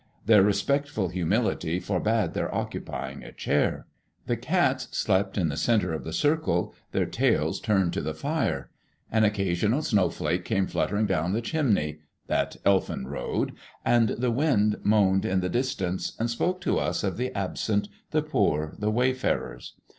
Their respectful humility forbade their occupying a chair. The cats slept in the centre of the circle, their tails turned to the fire. An occasional snowflake came fluttering down the chimney, that elfin road, and the wind moaned in the distance and spoke to us of the absent, the poor, the wayfarers.